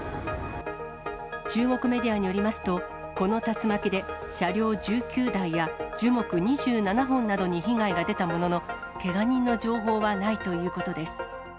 中国メディアによりますと、この竜巻で、車両１９台や樹木２７本などに被害が出たものの、けが人の情報はないということです。